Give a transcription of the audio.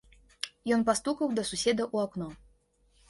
Ён пастукаў да суседа ў акно.